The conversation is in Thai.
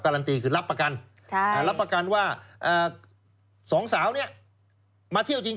ันตีคือรับประกันรับประกันว่าสองสาวเนี่ยมาเที่ยวจริง